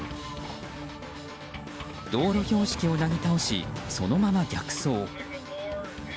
道路標識をなぎ倒しそのまま逆走。